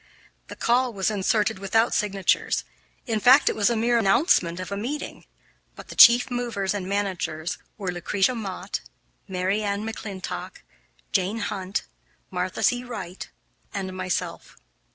The call was inserted without signatures, in fact it was a mere announcement of a meeting, but the chief movers and managers were Lucretia Mott, Mary Ann McClintock, Jane Hunt, Martha C. Wright, and myself.